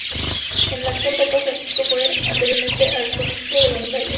El actual papa, Francisco, fue anteriormente arzobispo de Buenos Aires.